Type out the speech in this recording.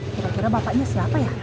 sebenernya bapaknya siapa ya